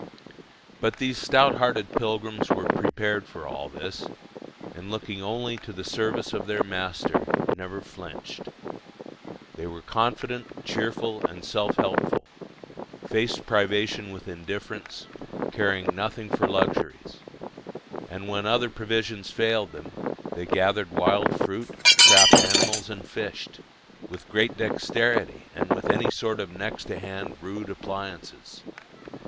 But these stout hearted pilgrims were prepared for all this, and looking only to the service of their Master, never flinched. They were confident, cheerful, and self helpful, faced privation with indifference, caring nothing for luxuries; and when other provisions failed them, they gathered wild fruit, trapped animals, and fished, with great dexterity and with any sort of next to hand rude appliances.